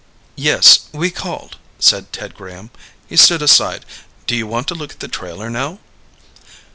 "Yes, we called," said Ted Graham. He stood aside. "Do you want to look at the trailer now?"